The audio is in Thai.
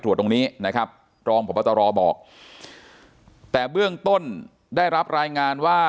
ตรงนี้นะครับรองพบตรบอกแต่เบื้องต้นได้รับรายงานว่า